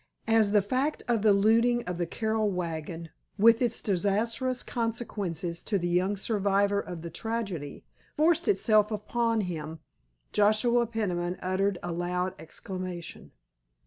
As the fact of the looting of the Carroll wagon, with its disastrous consequences to the young survivor of the tragedy, forced itself upon him Joshua Peniman uttered a loud exclamation.